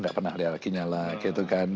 gak pernah lihat lagi nyala gitu kan